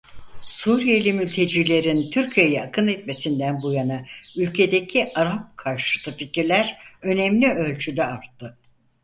Suriyeli mültecilerin Türkiye'ye akın etmesinden bu yana ülkedeki Arap karşıtı fikirler önemli ölçüde arttı.